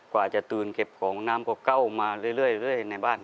กว่าจะตื่นเก็บของน้ำก็เข้ามาเรื่อยในบ้าน